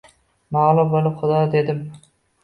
Mag’lub bo’lib Xudo dedim.